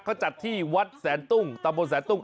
เขาจัดที่วัดแสนตุ้งตะบนแสนตุ้ง